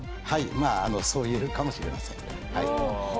そういえるかもしれません。